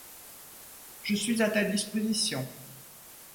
Je suis à ta disposition.